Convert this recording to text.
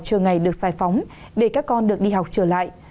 chờ ngày được giải phóng để các con được đi học trở lại